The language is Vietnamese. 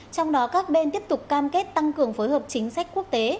trong đó các bên tiếp tục cam kết tăng cường phối hợp chính sách quốc tế